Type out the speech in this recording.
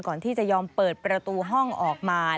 ก่อนที่จะยอมเปิดประตูห้องออกมา